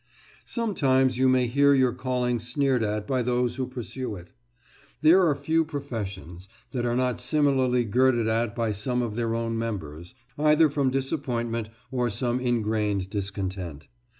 Sometimes you may hear your calling sneered at by those who pursue it. There are few professions that are not similarly girded at by some of their own members, either from disappointment or some ingrained discontent.